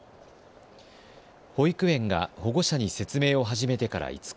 保育園が保護者に説明を始めてから５日。